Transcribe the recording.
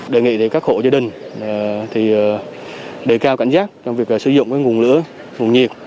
đề nghị các hộ gia đình đề cao cảnh giác trong việc sử dụng nguồn lửa nguồn nhiệt